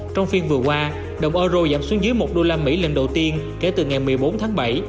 trong phiên vừa qua đồng euro giảm xuống dưới một usd lần đầu tiên kể từ ngày một mươi bốn tháng bảy